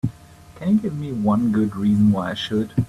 Can you give me one good reason why I should?